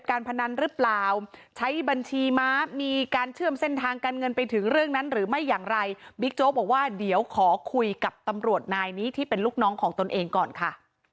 การเชื่อมเส้นทางการเงินไปถึงเรื่องนั้นหรือไม่อย่างไรบิ๊กโจ๊กบอกว่าเดี๋ยวขอคุยกับตำรวจนายนี้ที่เป็นลูกน้องของตนเองก่อนค่ะ